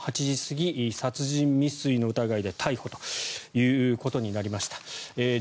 ８時過ぎ、殺人未遂の疑いで逮捕ということになりました。